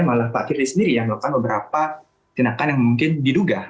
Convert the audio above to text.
malah pak firly sendiri yang melakukan beberapa tindakan yang mungkin diduga